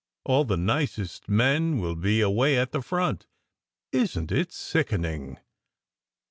All the nicest men will be away at the front. Isn t it sickening?